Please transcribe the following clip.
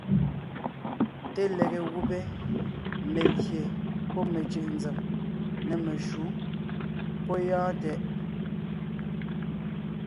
Té lege gùbé (melyè pɔ́ mecʉ̀ʼ nzèm) nê meshǔ... pɔ́ gyɔ́ɔn tɛʼ!